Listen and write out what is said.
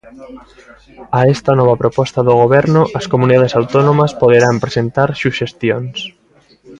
A esta nova proposta do Goberno, as comunidades autónomas poderán presentar suxestións.